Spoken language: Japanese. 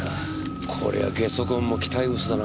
これはゲソ痕も期待薄だな。